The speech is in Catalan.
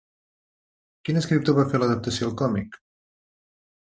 Quin escriptor va fer l'adaptació al còmic?